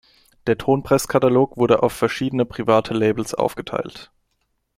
Der Tonpress-Katalog wurde auf verschiedene private Labels aufgeteilt.